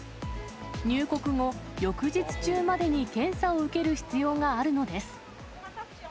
入国後、翌日中までに検査を受ける必要があるのです。